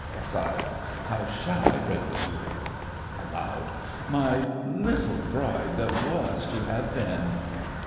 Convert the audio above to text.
(Aside.) How shall I break it to her? (Aloud.) My little bride that was to have been?